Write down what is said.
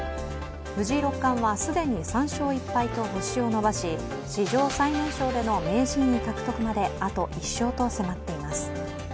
藤井六冠は既に３勝１敗と星を伸ばし、史上最年少での名人位獲得まであと１勝と迫っています。